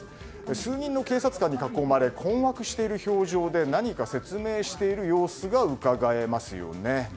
数人の警察官に囲まれ困惑している表情で何か説明している様子がうかがえますよね。